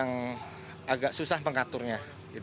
yang agak susah pengaturnya